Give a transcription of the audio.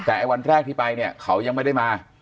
แต่ไอ้วันแรกที่ไปเนี่ยเขายังไม่ได้มา